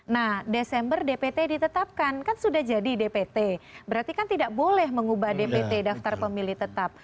nah desember dpt ditetapkan kan sudah jadi dpt berarti kan tidak boleh mengubah dpt daftar pemilih tetap